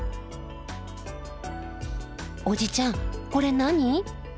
おじちゃんこれ何？